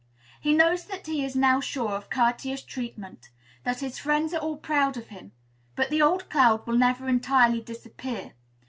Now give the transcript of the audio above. He knows that he is now sure of courteous treatment; that his friends are all proud of him; but the old cloud will never entirely disappear.